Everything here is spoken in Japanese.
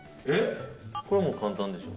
これはもう簡単でしょう。